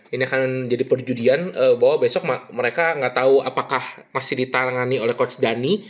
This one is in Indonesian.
ini akan menjadi perjudian bahwa besok mereka nggak tahu apakah masih ditangani oleh coach dhani